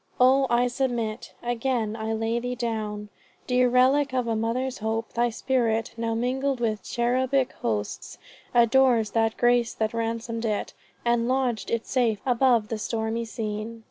O I submit. Again I lay thee down, Dear relic of a mother's hope. Thy spirit, Now mingled with cherubic hosts, adores That grace that ransomed it, and lodg'd it safe Above the stormy scene."